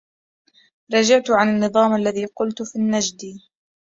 رجعت عن النظم الذي قلت في النجدي